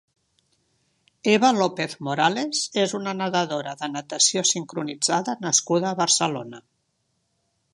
Eva López Morales és una nedadora de natació sincronitzada nascuda a Barcelona.